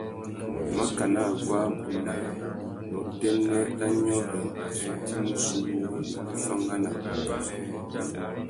Makana aguá abunda, ná utênê râ nyôrê a fitimú sú wúrrini, uffangana; waka.